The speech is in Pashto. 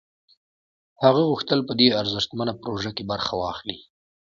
هغه غوښتل په دې ارزښتمنه پروژه کې برخه واخلي